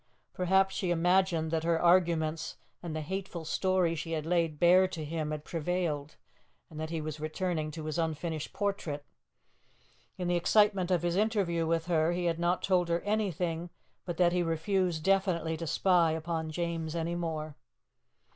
Perhaps she imagined that her arguments and the hateful story she had laid bare to him had prevailed, and that he was returning to his unfinished portrait. In the excitement of his interview with her, he had not told her anything but that he refused definitely to spy upon James any more.